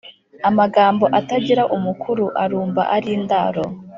Amagambo atagira umukuru arumba ari indaro